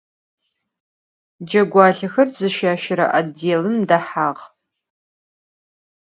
Cegualhexer zışaşere votdêlım dehağ.